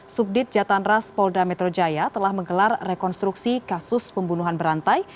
subdit jatanras polda metro jaya telah menggelar rekonstruksi kasus pembunuhan berantai